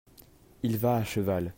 il va à cheval.